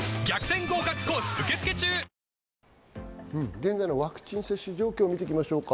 現在のワクチン接種状況を見ていきましょう。